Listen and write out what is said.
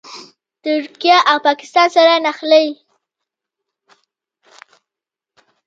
ترکیه او پاکستان سره نښلوي.